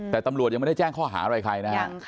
แต่ตำรวจยังไม่ได้แจ้งข้อหาอะไรใครนะฮะ